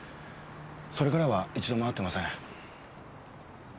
それからは一度も会ってません。